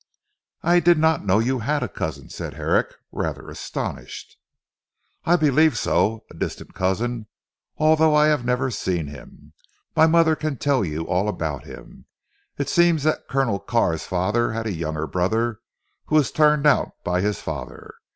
"I did not know you had a cousin?" said Herrick, rather astonished. "I believe so. A distant cousin, although I have never seen him. My mother can tell you all about him. It seems that Colonel Carr's father had a younger brother who was turned out by his father.